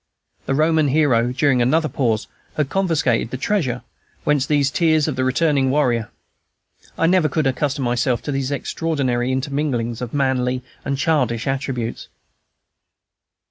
The Roman hero, during another pause, had confiscated the treasure; whence these tears of the returning warrior. I never could accustom myself to these extraordinary interminglings of manly and childish attributes.